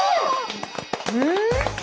うん！